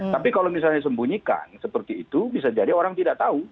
tapi kalau misalnya disembunyikan seperti itu bisa jadi orang tidak tahu